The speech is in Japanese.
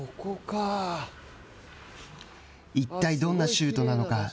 一体、どんなシュートなのか。